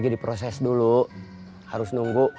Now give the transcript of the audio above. ikut sudah tuhan